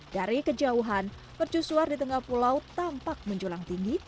dari kejauhan mercusuar di tengah pulau tampak menjulang tinggi